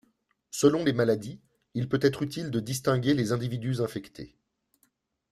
Selon les maladies, il peut être utile de distinguer les individus infectés.